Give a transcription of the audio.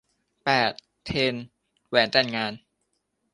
แปด เทรนด์แหวนแต่งงาน